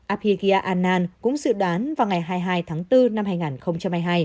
abiyagia anand cũng dự đoán vào ngày hai mươi hai tháng bốn năm hai nghìn hai mươi hai